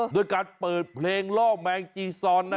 โดยการเปิดเพลงล่อแมงจีซอน